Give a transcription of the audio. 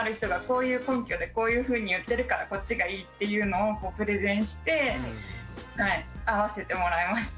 こういう根拠でこういうふうに言ってるからこっちがいいっていうのをプレゼンして合わせてもらいました。